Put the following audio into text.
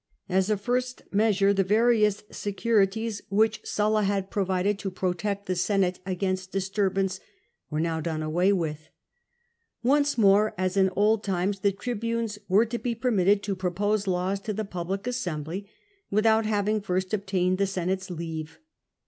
As a first measure, the various securities which Sulla LEGISLATION OE CEASSUS AND POMPEY X75 had provided to protect the Senate against disturbance were now done away with. Once morej as in old times, the tribunes were to be permitted to propose laws to the public assembly without having first obtained the Senate's leave.